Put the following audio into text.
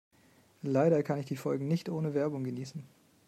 Leider kann ich die Folgen nicht ohne Werbung genießen.